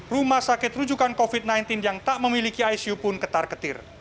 rumah sakit rujukan covid sembilan belas yang tak memiliki icu pun ketar ketir